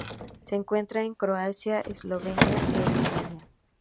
Se encuentra en Croacia, Eslovenia e Italia.